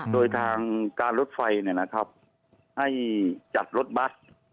โดยทางการรถไฟให้จัดรถบัส